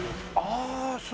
ああそう。